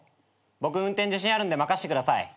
僕運転自信あるんで任してください。